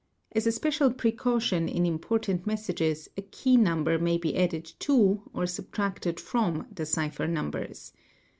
As a special precaution in important messages a key number may be added to or subtracted from the cipher numbers.